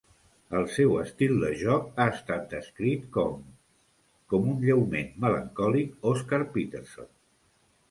El seu estil de joc ha estat descrit com... com un lleument melancòlic Oscar Peterson.